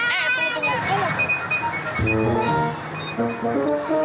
eh tunggu tunggu